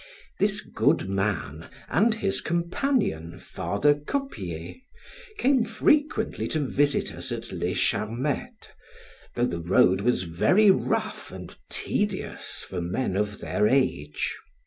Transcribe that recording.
This good man and his companion, Father Coppier, came frequently to visit us at Charmette, though the road was very rough and tedious for men of their age.